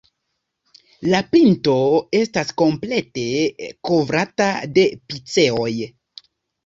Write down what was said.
La pinto estas komplete kovrata de piceoj.